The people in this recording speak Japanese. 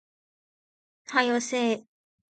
早よせえ